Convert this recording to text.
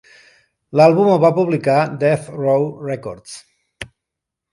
L'àlbum el va publicar Death Row Records.